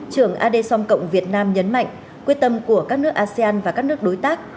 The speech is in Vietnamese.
trưởng ad som cộng việt nam nhấn mạnh quyết tâm của các nước asean và các nước đối tác